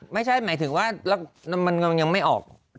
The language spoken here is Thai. ไม่ใช่หมายถึงว่ามันยังไม่ออก